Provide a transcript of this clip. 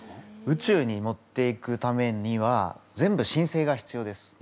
宇宙に持っていくためには全部しんせいが必要です。